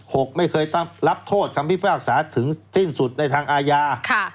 หกไม่เคยรับโทษคำพิพากษาถึงสิ้นสุดในทางอาญา